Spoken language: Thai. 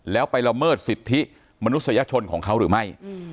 แล้วไปละเมิดสิทธิมนุษยชนของเขาหรือไม่